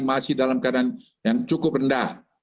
masih dalam keadaan yang cukup rendah